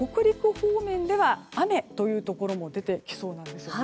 方面では雨というところも出てきそうなんです。